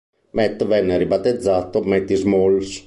Matt venne ribattezzato Matty Smalls.